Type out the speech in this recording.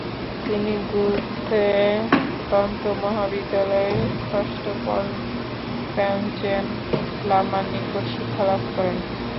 তিনি গ্যুতে তন্ত্র মহাবিদ্যালয়ে ষষ্ঠ পাঞ্চেন লামার নিকট শিক্ষালাভ করেন।